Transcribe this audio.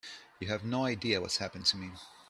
You have no idea what's happened to me.